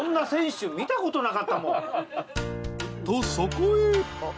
［とそこへ］